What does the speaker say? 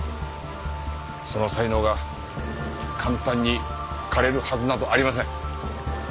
その才能が簡単に枯れるはずなどありません。